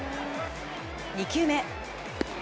２球目。